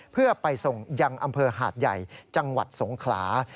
เพื่อไปส่งยังอำเภอหาดใหญ่จังหวัดสงขลา